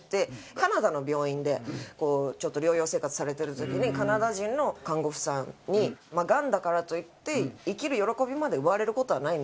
カナダの病院で療養生活されてる時にカナダ人の看護師さんに「がんだからといって生きる喜びまで奪われる事はないんだ」